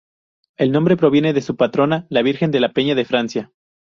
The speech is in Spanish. El nombre de proviene de su patrona, la Virgen de la Peña de Francia.